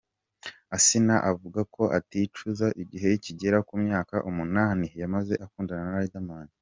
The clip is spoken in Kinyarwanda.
Asnah avuga ko aticuza igihe kigera ku myaka umunani yamaze akundana na Riderman.